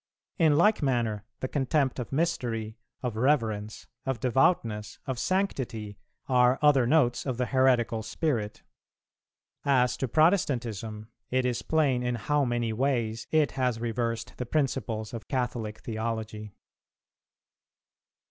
In like manner the contempt of mystery, of reverence, of devoutness, of sanctity, are other notes of the heretical spirit. As to Protestantism it is plain in how many ways it has reversed the principles of Catholic theology.